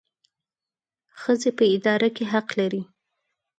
ښځې په اداره کې حق لري